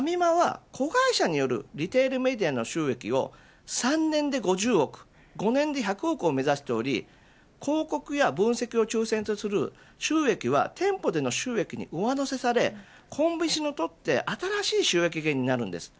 ファミマは子会社によるリテールメディアの収益を３年で５０億５年で１００億を目指しており広告や分析を中心とする主収益は店舗での収益に上乗せされコンビニにとって新しい収益源になります。